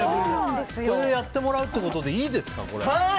それでやってもらうということでいいですか？